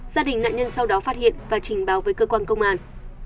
gia đình nạn nhân sau đó phát hiện và trình báo với cơ quan công an